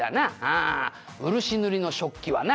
「あ漆塗りの食器はな